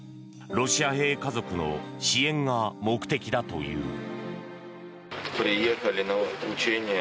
ロシア兵家族の支援が目的だという。